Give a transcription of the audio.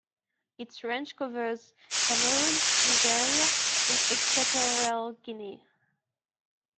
Its range covers Cameroon, Nigeria and Equatorial Guinea.